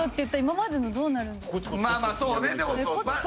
まあまあそうね。